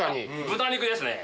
豚肉ですね。